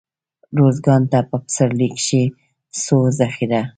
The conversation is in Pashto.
روزګان ته په پسرلي کښي ځو دخيره.